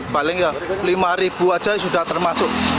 paling rp lima aja sudah termasuk